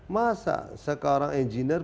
masa seorang engineer